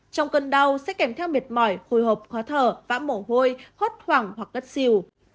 trong cơn đau sẽ kèm theo miệt mỏi hồi hộp khóa thở vã mổ hôi hốt hoảng hoặc gất siêu